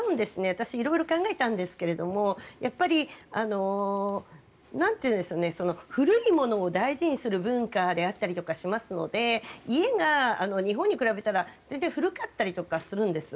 私、色々考えたんですけどやっぱり古いものを大事にする文化であったりしますので家が日本に比べたら古かったりとかするんです。